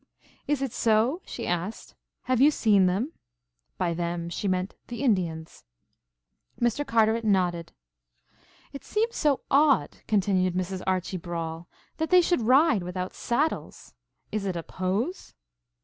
"Is it so?" she asked. "Have you ever seen them?" By "them" she meant the Indians. Mr. Carteret nodded. "It seems so odd," continued Mrs. Archie Brawle, "that they should ride without saddles. Is it a pose?"